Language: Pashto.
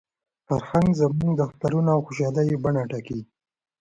فرهنګ زموږ د اخترونو او خوشالیو بڼه ټاکي.